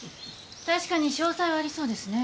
確かに商才はありそうですね。